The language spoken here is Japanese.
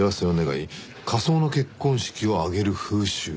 仮想の結婚式を挙げる風習」